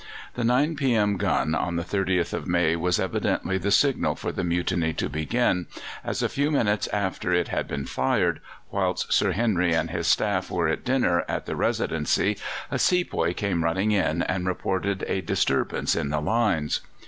The 9 p.m. gun on the 30th of May was evidently the signal for the mutiny to begin, as a few minutes after it had been fired, whilst Sir Henry and his staff were at dinner at the Residency, a sepoy came running in, and reported a disturbance in the lines.